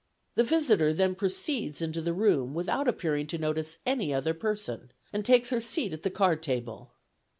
The visitor then proceeds into the room without appearing to notice any other person, and takes her seat at the card table.